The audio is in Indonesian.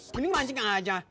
mending mancing aja